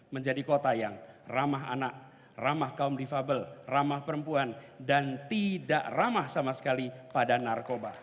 menjadi kota yang ramah anak ramah kaum difabel ramah perempuan dan tidak ramah sama sekali pada narkoba